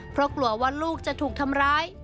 เพราะกลัวว่าลูกจะถูกทำร้าย